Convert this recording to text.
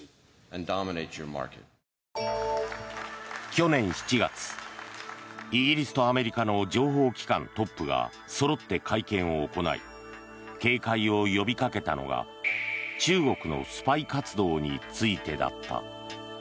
去年７月、イギリスとアメリカの情報機関トップがそろって会見を行い警戒を呼びかけたのが中国のスパイ活動についてだった。